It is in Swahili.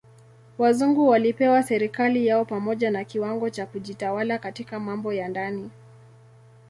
Wazungu walipewa serikali yao pamoja na kiwango cha kujitawala katika mambo ya ndani.